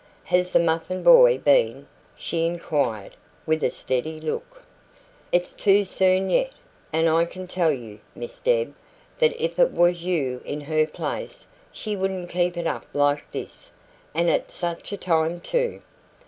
"Has the muffin boy been?" she inquired, with a steady look. "It's too soon yet and I can tell you, Miss Deb, that if it was you in her place, SHE wouldn't keep it up like this and at such a time too."